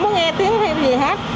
không có nghe tiếng thêm gì hết